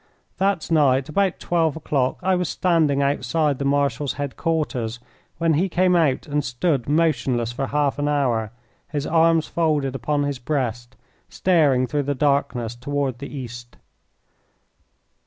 That night, about twelve o'clock, I was standing outside the Marshal's headquarters when he came out and stood motionless for half an hour, his arms folded upon his breast, staring through the darkness toward the east.